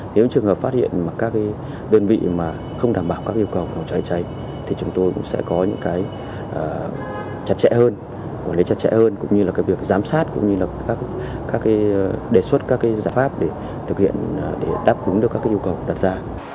nếu trường hợp phát hiện các đơn vị không đảm bảo các yêu cầu cháy cháy thì chúng tôi cũng sẽ có những cái chặt chẽ hơn quản lý chặt chẽ hơn cũng như là việc giám sát cũng như là các đề xuất các giải pháp để đáp ứng được các yêu cầu đặt ra